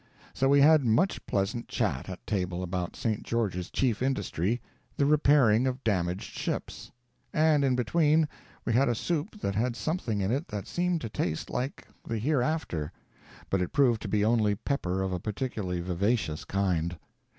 So we had much pleasant chat at table about St. George's chief industry, the repairing of damaged ships; and in between we had a soup that had something in it that seemed to taste like the hereafter, but it proved to be only pepper of a particularly vivacious kind.